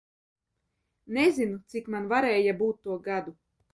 Nezinu, cik nu varēja būt man to gadu.